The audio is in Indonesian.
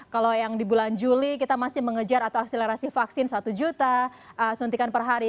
kalau yang di bulan juli kita masih mengejar atau akselerasi vaksin satu juta suntikan per hari